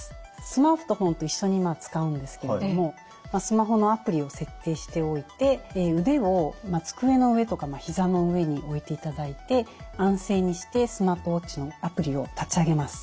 スマートフォンと一緒に使うんですけれどもスマホのアプリを設定しておいて腕を机の上とかひざの上に置いていただいて安静にしてスマートウォッチのアプリを立ち上げます。